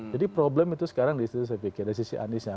jadi problem itu sekarang disitu saya pikir dari sisi anies ya